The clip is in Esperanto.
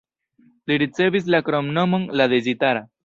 Li ricevis la kromnomon "la dezirata".